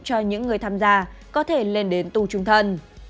cho những người tham gia có thể lên đến tù trung thân